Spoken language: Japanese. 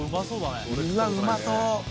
うわうまそう。